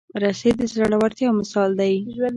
رسۍ د زړورتیا مثال دی.